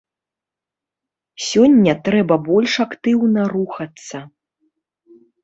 Сёння трэба больш актыўна рухацца.